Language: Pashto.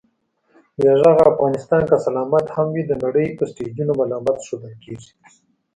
بې غږه افغانستان که سلامت هم وي، د نړۍ په سټېجونو ملامت ښودل کېږي